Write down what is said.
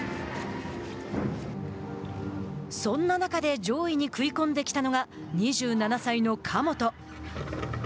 そんな中で上位に食い込んできたのが２７歳の神本。